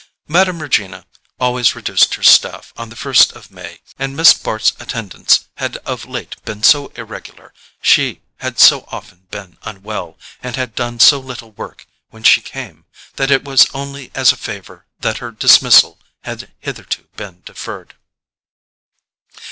Mme. Regina always reduced her staff on the first of May, and Miss Bart's attendance had of late been so irregular—she had so often been unwell, and had done so little work when she came—that it was only as a favour that her dismissal had hitherto been deferred.